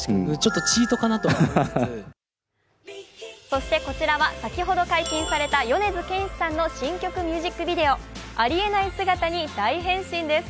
そして、こちらは先ほど解禁された米津玄師さんの新曲ミュージックビデオ。ありえない姿に大変身です。